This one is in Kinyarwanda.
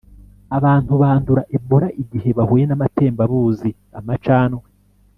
Abantu bandura Ebola igihe bahuye n’amatembabuzi (amacandwe